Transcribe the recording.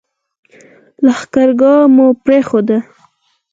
لښکرګاه مو پرېښوده.